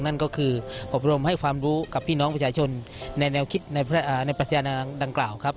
นั่นก็คืออบรมให้ความรู้กับพี่น้องประชาชนในแนวคิดในประชานางดังกล่าวครับ